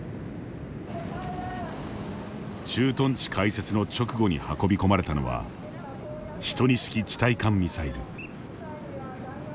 駐屯地開設の直後に運び込まれたのは１２式地対艦ミサイル。